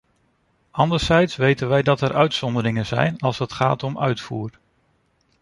Anderzijds weten wij dat er uitzonderingen zijn als het gaat om uitvoer.